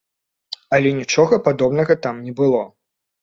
Але нічога падобнага там не было.